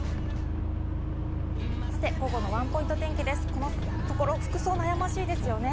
このところ服装、悩ましいですよね。